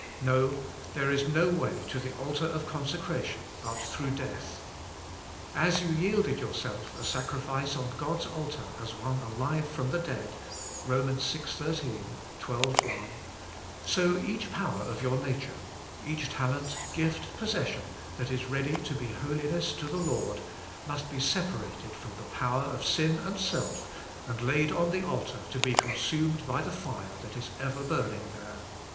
No, there is noway to the altar of consecration but through death. As you yielded yourself a sacri fice on God's altar as one alive from the dead {Rom. vi, IS J xii. i), so each power of your nature — each talent, gift, possession, that is really to be holiness to the Lord — must be separated from the power of sin and self, and laid on the altar to be consumed by the fire that is ever burning there.